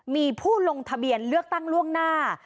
มีผู้ลงทะเบียนเลือกตั้งล่วงหน้า